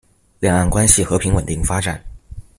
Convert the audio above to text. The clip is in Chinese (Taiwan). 兩岸關係和平穩定發展